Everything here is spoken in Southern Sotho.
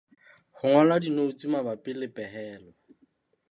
Ho ngola dinoutsu mabapi le pehelo.